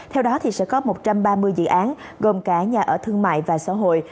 theo đó sẽ có một trăm ba mươi dự án gồm cả nhà ở thương mại và xã hội